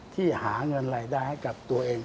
ที่หาเงินรายได้ให้กับตัวเอง